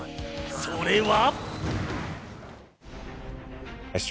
それは。